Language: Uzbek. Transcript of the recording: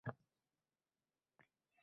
buncha olis boʼldi, lolajon?